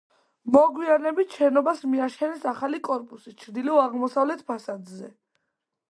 მოგვიანებით შენობას მიაშენეს ახალი კორპუსი ჩრდილო-აღმოსავლეთ ფასადზე.